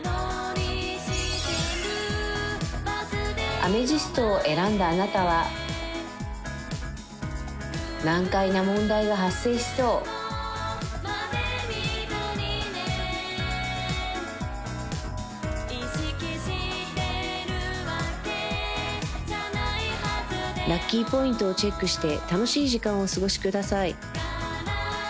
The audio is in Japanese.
アメジストを選んだあなたは難解な問題が発生しそうラッキーポイントをチェックして楽しい時間をお過ごしください